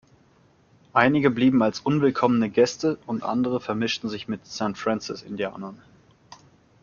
Einige blieben als unwillkommene Gäste und andere vermischten sich mit Saint-Francis-Indianern.